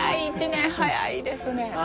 一年早いですね。